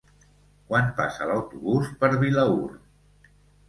Quan passa l'autobús per Vilaür?